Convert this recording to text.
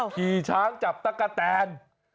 ขี่ช้างจับตั๊กกะแตน